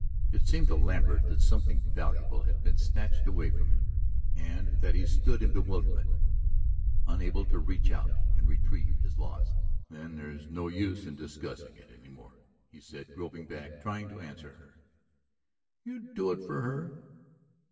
It seemed to Lambert that something valuable had been snatched away from him, and that he stood in bewilderment, unable to reach out and retrieve his loss. "Then there's no use in discussing it any more," he said, groping back, trying to answer her. "You'd do it for her!"